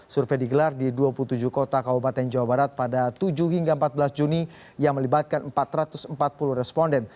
survei digelar di dua puluh tujuh kota kabupaten jawa barat pada tujuh hingga empat belas juni yang melibatkan empat ratus empat puluh responden